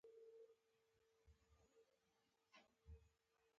چارمغز د ماشومانو ذهني ودې ته ګټه لري.